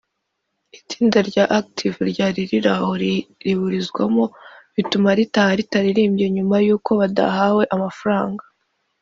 itsinda rya Active ryari riri aho riburizwamo bituma ritaha ritaririmbye nyuma yuko badahawe amafaranga